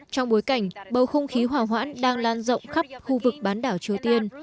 trong bối cảnh bầu không khí hỏa hoãn đang lan rộng khắp khu vực bán đảo triều tiên